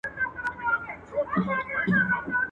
او د ياغي مړی دي